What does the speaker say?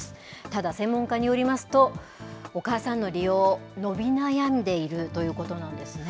ただ、専門家によりますと、お母さんの利用、伸び悩んでいるということなんですね。